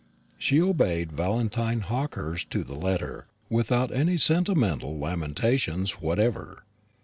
She obeyed Valentine Hawkehurst to the letter, without any sentimental lamentations whatever.